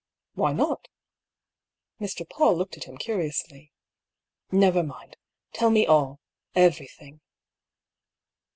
" Why not ?" Mr. PauU looked at him curiously. *' Never mind Tell me all — everything."